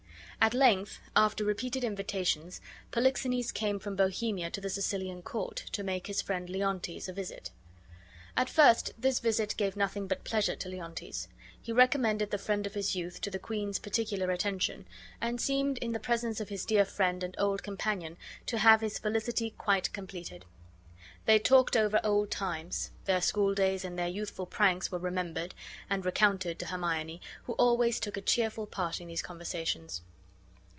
At length, after repeated invitations, Polixenes came from Bohemia to the Sicilian court, to make his friend Leontes a visit. At first this visit gave nothing but pleasure to Leontes. He recommended the friend of his youth to the queen's particular attention, and seemed in the presence of his dear friend and old companion to have his felicity quite completed. They talked over old times; their school days and their youthful pranks were remembered, and recounted to Hermione, who always took a cheerful part in these conversations.